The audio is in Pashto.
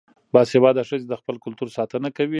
باسواده ښځې د خپل کلتور ساتنه کوي.